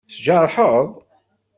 Tjerḥeḍ?